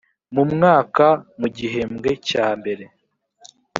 mu mwaka mu gihembwe cya mbere